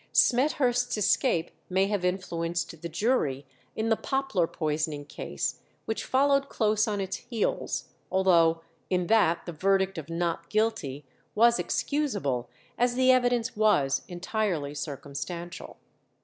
Smethurst's escape may have influenced the jury in the Poplar poisoning case, which followed close on its heels, although in that the verdict of "Not Guilty" was excusable, as the evidence was entirely circumstantial.